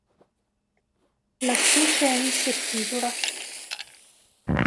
La specie è insettivora.